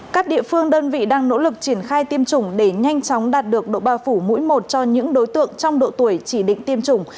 các địa phương đơn vị đang nỗ lực triển khai tiêm chủng để nhanh chóng đạt được độ bao phủ mũi một cho những đối tượng trong độ tuổi chỉ định tiêm chủng